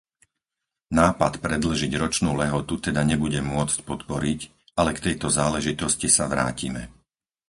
Nápad predĺžiť ročnú lehotu teda nebudem môcť podporiť, ale k tejto záležitosti sa vrátime.